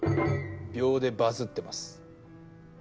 秒でバズってます。